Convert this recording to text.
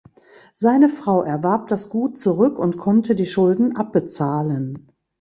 Seine Frau erwarb das Gut zurück und konnte die Schulden abbezahlen.